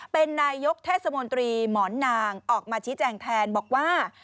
เป็นนายกเทศมนตรีหมอนนางออกมาชี้แจงแทนบอกว่า